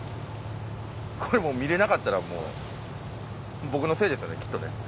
これもう見れなかったら僕のせいですよねきっとね。